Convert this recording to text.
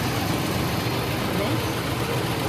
Taqbel?